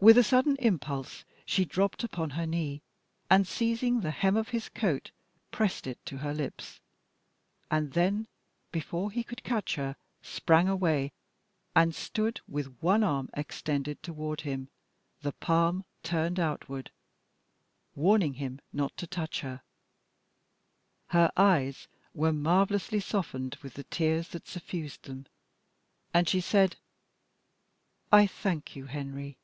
With a sudden impulse she dropped upon her knee, and seizing the hem of his coat pressed it to her lips, and then, before he could catch her, sprang away, and stood with one arm extended toward him, the palm turned outward, warning him not to touch her. Her eyes were marvellously softened with the tears that suffused them, and she said "I thank you, Henry.